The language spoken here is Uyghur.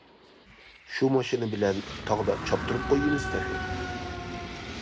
شۇ ماشىنا بىلەن تاغدا چاپتۇرۇپ قويىمىز تېخى.